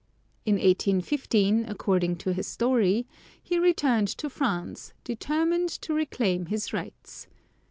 In 1815, according to his story, he returned to France, determined to reclaim his rights.